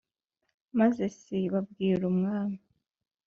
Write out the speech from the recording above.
Maze Siba abwira umwami